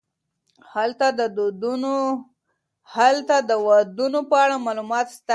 هلته د ودونو په اړه معلومات سته.